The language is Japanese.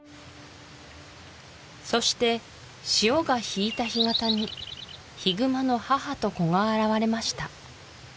そして潮が引いた干潟にヒグマの母と子が現れました